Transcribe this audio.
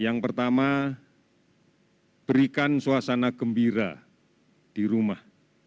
yang pertama berikan suasana gembira di rumah